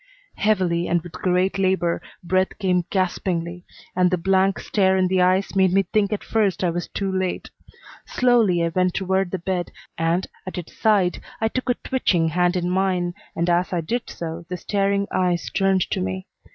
Heavily, and with great labor, breath came gaspingly, and the blank stare in the eyes made me think at first I was too late. Slowly I went toward the bed, and at its side I took a twitching hand in mine, and as I did so the staring eyes turned to me.